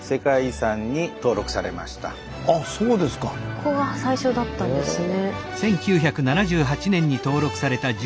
ここが最初だったんですね。